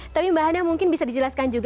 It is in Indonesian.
tapi mbak hana mungkin bisa dijelaskan juga